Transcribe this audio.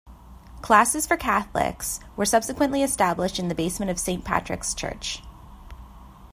Classes for Catholics were subsequently established in the basement of Saint Patrick's Church.